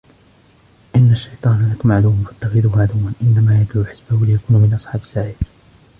إن الشيطان لكم عدو فاتخذوه عدوا إنما يدعو حزبه ليكونوا من أصحاب السعير